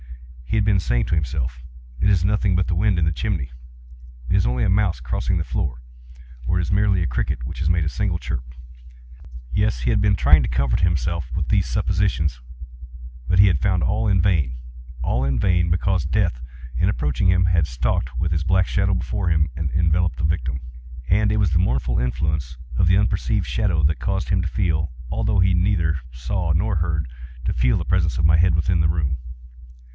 He had been saying to himself—"It is nothing but the wind in the chimney—it is only a mouse crossing the floor," or "It is merely a cricket which has made a single chirp." Yes, he had been trying to comfort himself with these suppositions: but he had found all in vain. All in vain; because Death, in approaching him had stalked with his black shadow before him, and enveloped the victim. And it was the mournful influence of the unperceived shadow that caused him to feel—although he neither saw nor heard—to feel the presence of my head within the room.